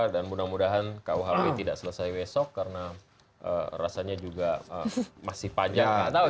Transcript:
dan mudah mudahan kuhw tidak selesai besok karena rasanya juga masih panjang